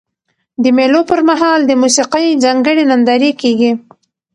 د مېلو پر مهال د موسیقۍ ځانګړي نندارې کیږي.